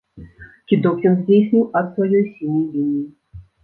Кідок ён здзейсніў ад сваёй сіняй лініі!